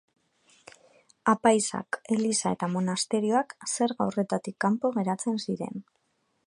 Apaizak, eliza eta monasterioak zerga horretatik kanpo geratzen ziren.